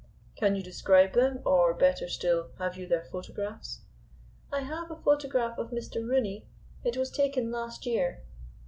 "Can you describe them, or, better still, have you their photographs?" "I have a photograph of Mr. Rooney. It was taken last year."